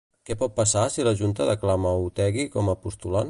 Què pot passar si la junta declama Otegi com a postulant?